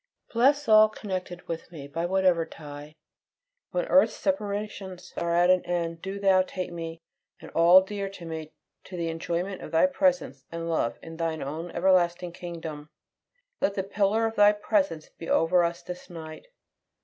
Bless all connected with me, by whatever tie. When earth's separations are at an end, do Thou take me and all dear to me to the enjoyment of Thy presence and love in Thine own everlasting kingdom. Let the pillar of Thy presence be over us this night.